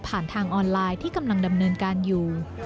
ทางออนไลน์ที่กำลังดำเนินการอยู่